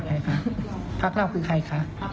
พศภักราวคือใครครับ